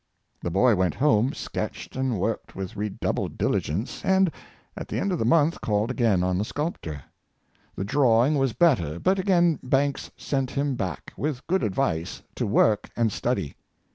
The boy went home — sketched and worked with redoubled diligence — and, at the end of the month, called again on the sculptor. The drawing was better ; but again Banks sent him back, with good advice, to work and study.